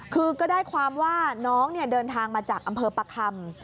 คือก็ได้ความว่าน้องเดินทางมาจากอำเภอประคำ